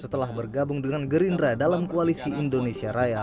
setelah bergabung dengan gerindra dalam koalisi indonesia raya